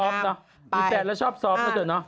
มีแฟนแล้วชอบซอฟต์ก็เถอะนะ